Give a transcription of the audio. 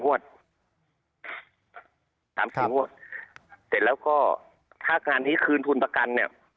สามสี่งวดเสร็จแล้วก็ถ้างานนี้คืนทุนประกันเนี่ย